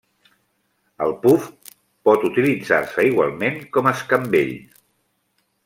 El puf pot utilitzar-se igualment com escambell.